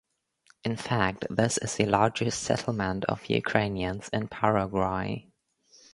In fact this is the largest settlement of Ukrainians in Paraguay.